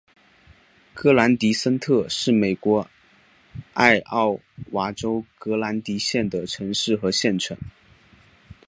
格兰迪森特是美国艾奥瓦州格兰迪县的城市和县城。